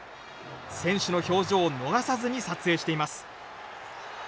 選手の表情を逃さずに撮影しています。